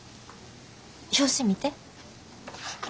表紙見て。